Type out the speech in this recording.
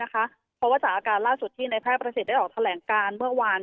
เพราะว่าจากอาการล่าสุดที่ในแพทย์ประสิทธิ์ได้ออกแถลงการเมื่อวาน